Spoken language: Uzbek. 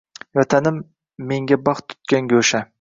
Vatanim — menga baxt tutgan go‘sha!